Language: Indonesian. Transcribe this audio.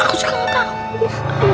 aku juga gak tau